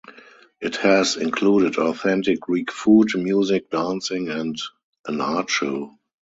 It has included authentic Greek food, music, dancing, and an art show.